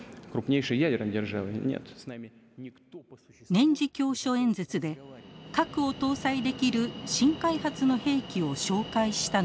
年次教書演説で核を搭載できる新開発の兵器を紹介したのです。